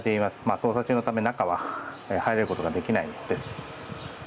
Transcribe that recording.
捜査中のため中には入ることができないです。